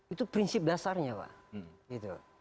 itu prinsip dasarnya pak